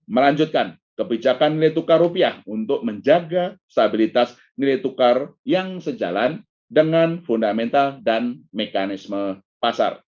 melanjutkan kebijakan nilai tukar rupiah untuk menjaga stabilitas nilai tukar yang sejalan dengan fundamental dan mekanisme pasar